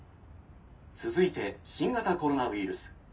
「続いて新型コロナウイルス。